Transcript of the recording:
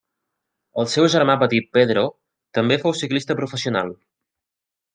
El seu germà petit Pedro també fou ciclista professional.